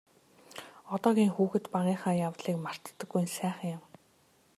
Одоогийн хүүхэд багынхаа явдлыг мартдаггүй нь сайхан юм.